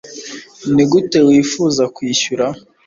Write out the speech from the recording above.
nigute wifuza kwishyura